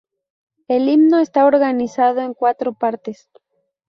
El himno está organizado en cuatro partes.